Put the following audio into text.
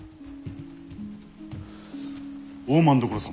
大政所様